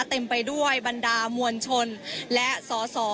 เต็มไปด้วยบรรดามวลชนและสอสอ